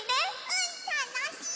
うんたのしい！